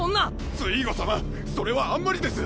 ツイーゴ様それはあんまりです。